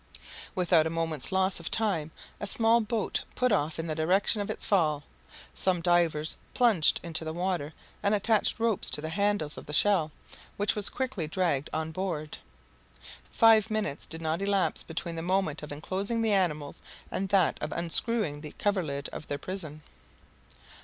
Without a moment's loss of time a small boat put off in the direction of its fall; some divers plunged into the water and attached ropes to the handles of the shell, which was quickly dragged on board. Five minutes did not elapse between the moment of enclosing the animals and that of unscrewing the coverlid of their prison.